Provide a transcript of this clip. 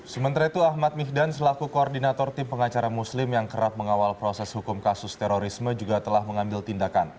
sementara itu ahmad mihdan selaku koordinator tim pengacara muslim yang kerap mengawal proses hukum kasus terorisme juga telah mengambil tindakan